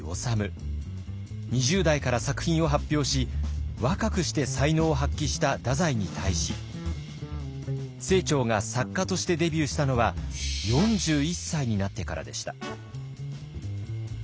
２０代から作品を発表し若くして才能を発揮した太宰に対し清張が作家としてデビューしたのは４１歳になってからでした。